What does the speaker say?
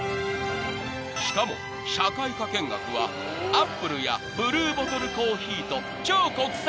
［しかも社会科見学はＡｐｐｌｅやブルーボトルコーヒーと超国際的］